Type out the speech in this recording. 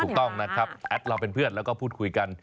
ถูกต้องนะครับแอดเราเป็นเพื่อนแล้วก็พูดคุยกัน